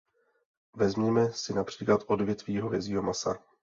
Vezměme si například odvětví hovězího masa.